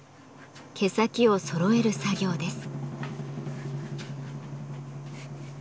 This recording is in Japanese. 毛先を揃える作業です。